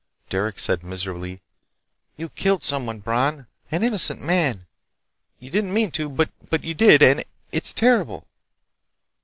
Derec said miserably: "You killed someone, Bron. An innocent man! You didn't mean to, but you did, and ... it's terrible!"